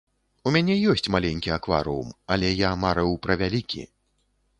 У мяне ёсць маленькі акварыум, але я марыў пра вялікі.